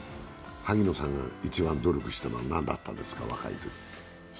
萩野さんが一番努力したのは何だったんですか、若いとき？